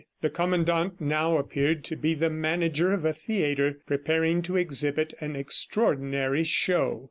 The Commandant now appeared to be the manager of a theatre, preparing to exhibit an extraordinary show.